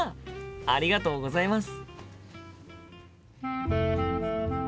ありがとうございます。